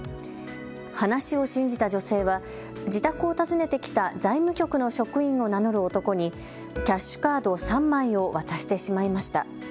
話を信じた女性は自宅を訪ねてきた財務局の職員を名乗る男にキャッシュカード３枚を渡してしまいました。